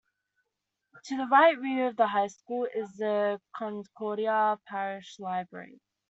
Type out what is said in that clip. To the right rear of the high school is the Concordia Parish Library.